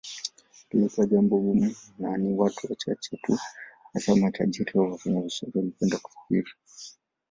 Lilikuwa jambo gumu na ni watu wachache tu hasa matajiri au wafanyabiashara waliopenda kusafiri